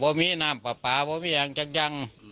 เออไม่มีน้ำปลาไม่มีอังจัง